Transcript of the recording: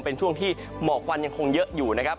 เป็นช่วงที่หมอกควันยังคงเยอะอยู่นะครับ